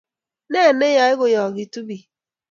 ne neyoe kuyaakitu biik?